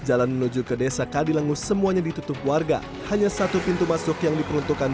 jalan menuju ke desa kadilengus semuanya ditutup warga hanya satu pintu masuk yang diperuntukkan